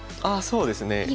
ああそうですね。